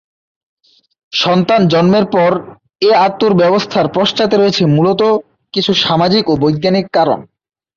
সন্তান জন্মের পর এ অাঁতুড় ব্যবস্থার পশ্চাতে রয়েছে মূলত কিছু সামাজিক ও বৈজ্ঞানিক কারণ।